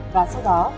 và sau đó cô đã bị bắt